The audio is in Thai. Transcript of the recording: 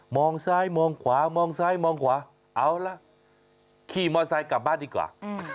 ซ้ายมองขวามองซ้ายมองขวาเอาล่ะขี่มอไซค์กลับบ้านดีกว่า